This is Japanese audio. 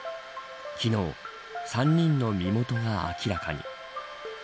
昨日、３人の身元が明らかに。